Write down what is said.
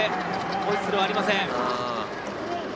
ホイッスルはありません。